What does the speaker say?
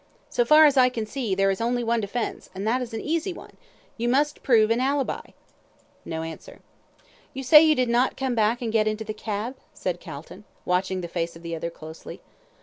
So far as I can see, there is only one defence, and that is an easy one you must prove an ALIBI." No answer. "You say you did not come back and get into the cab?" said Calton, watching the face of the other closely.